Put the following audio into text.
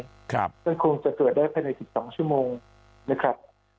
ซึ่งคงจะตรวจได้ภายใน๑๒ชั่วโมงนะครับ